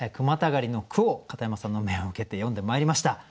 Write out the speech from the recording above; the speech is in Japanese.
またがりの句を片山さんの命を受けて詠んでまいりました。